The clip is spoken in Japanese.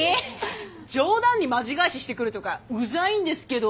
冗談にマジ返ししてくるとかうざいんですけど。